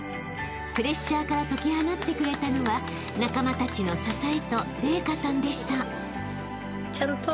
［プレッシャーから解き放ってくれたのは仲間たちの支えと麗華さんでした］